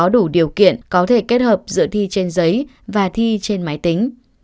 đủ điều kiện có thể kết hợp giữa thi trên giấy và thi trên máy tính